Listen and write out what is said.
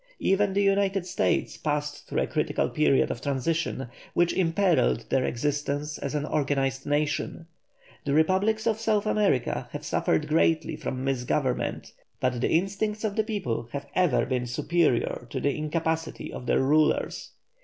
Even the United States passed through a critical period of transition, which imperilled their existence as an organised nation. The republics of South America have suffered greatly from misgovernment, but the instincts of the people have ever been superior to the incapacity of their rulers.